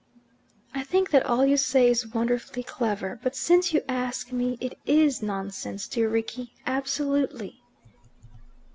"I think that all you say is wonderfully clever; but since you ask me, it IS nonsense, dear Rickie, absolutely."